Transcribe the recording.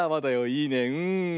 いいねうん。